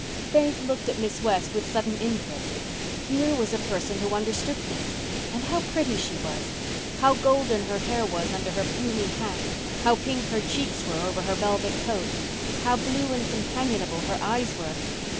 Faith looked at Miss West with sudden interest. Here was a person who understood things. And how pretty she was! How golden her hair was under her plumy hat! How pink her cheeks were over her velvet coat! How blue and companionable her eyes were!